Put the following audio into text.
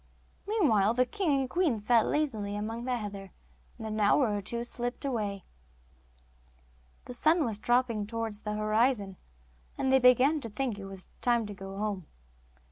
Meanwhile the king and queen sat lazily among the heather, and an hour or two slipped away. The sun was dropping towards the horizon, and they began to think it was time to go home.